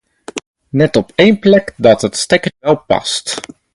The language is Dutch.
Net op een plek dat het stekkertje wel past.